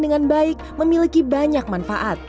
dengan baik memiliki banyak manfaat